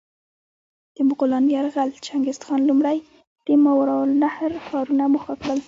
د مغولانو یرغل: چنګیزخان لومړی د ماورالنهر ښارونه موخه کړل.